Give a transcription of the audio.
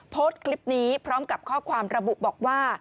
โพสต์คลิปนี้พร้อมกับข้อความระบุบอกว่า